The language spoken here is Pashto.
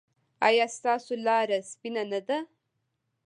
ایا ستاسو لاره سپینه نه ده؟